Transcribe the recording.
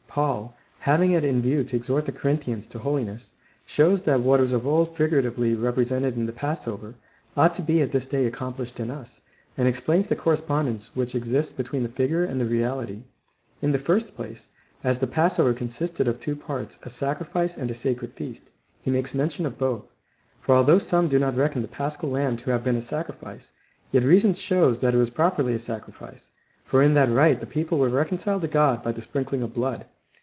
Paul, having it in view to exhort the Corinthians to holiness, shows that what was of old figuratively represented in the passover, ought to be at this day accomplished in us, and explains the cor respondence which exists between the figure and the reality. In the first place, as the passover consisted of two parts — a sacrifice and a sacred feast — he makes mention of both. For although some do not reckon the paschal lamb to have been a sacrifice, yet reason shows that it was properly a sacrifice, for in that rite the people were reconciled to God by the sprinkling of blood.